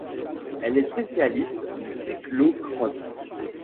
Elle est spécialiste du cyclo-cross.